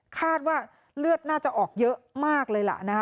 คาดว่าเลือดน่าจะออกเยอะมากเลยล่ะนะคะ